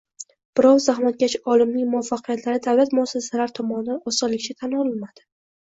Biroq zahmatkash olimning muvaffaqiyatlari davlat muassasalari tomonidan osonlikcha tan olinmadi